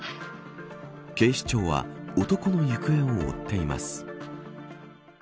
警視庁は男の行方を追っています。